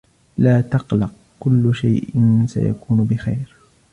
لا تقلق, كل شئ سيكون بخير.